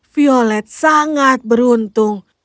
violet sangat beruntung